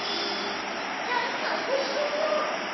うんおもしろそう！